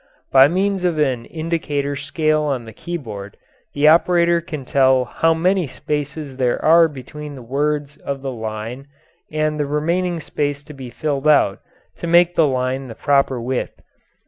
By means of an indicator scale on the keyboard the operator can tell how many spaces there are between the words of the line and the remaining space to be filled out to make the line the proper width.